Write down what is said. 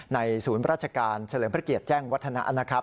ศูนย์ราชการเฉลิมพระเกียรติแจ้งวัฒนะนะครับ